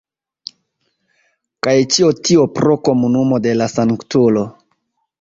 Kaj ĉio tio pro Komunumo de la Sanktuloj.